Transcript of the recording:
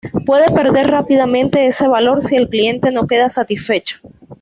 Puede perder rápidamente ese valor si el cliente no queda satisfecho.